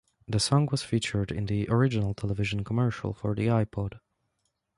The song was featured in the original television commercial for the iPod.